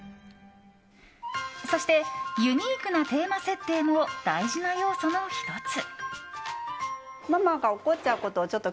そして、ユニークなテーマ設定も大事な要素の１つ。